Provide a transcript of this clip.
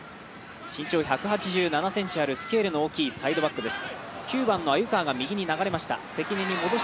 身長１７７ｃｍある、スケールの大きいサイドバックです。